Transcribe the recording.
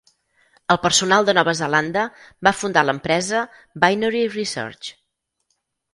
El personal de Nova Zelanda va fundar l'empresa Binary Research.